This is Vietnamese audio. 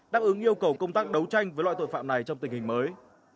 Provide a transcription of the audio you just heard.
đáp ứng yêu cầu công tác đấu tranh với loại tội phạm này trong tình hình mới